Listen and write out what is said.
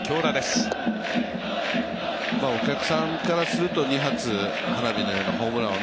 お客さんからすると２発、花火のようなホームランが